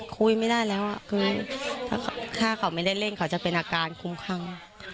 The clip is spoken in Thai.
คุยไม่ได้แล้วคือถ้าเขาไม่ได้เล่นเขาจะเป็นอาการคุ้มครั่ง